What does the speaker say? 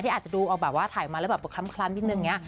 อาจจะดูเอาแบบว่าถ่ายมาแล้วแบบคล้ำนิดนึงอย่างนี้